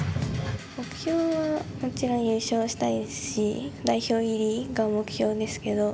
目標はもちろん優勝したいですし代表入りが目標ですけど。